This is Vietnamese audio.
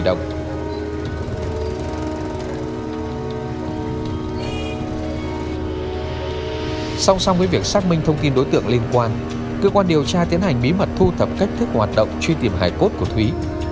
song song với việc xác minh thông tin đối tượng liên quan cơ quan điều tra tiến hành bí mật thu thập cách thức hoạt động truy tìm hải cốt của thúy